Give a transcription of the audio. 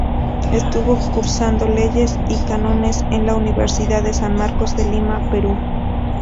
Estuvo cursando Leyes y Cánones en la Universidad de San Marcos, de Lima, Perú.